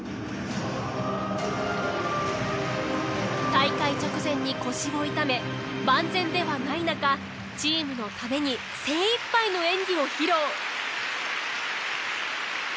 大会直前に腰を痛め万全ではない中チームのために精いっぱいの演技を披露。